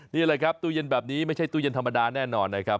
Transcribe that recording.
นี่แหละครับตู้เย็นแบบนี้ไม่ใช่ตู้เย็นธรรมดาแน่นอนนะครับ